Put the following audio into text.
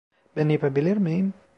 Ben yapabilir miyim?